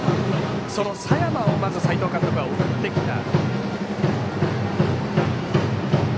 その佐山を斎藤監督は送ってきた。